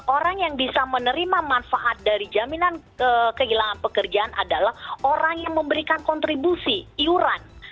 orang yang bisa menerima manfaat dari jaminan kehilangan pekerjaan adalah orang yang memberikan kontribusi iuran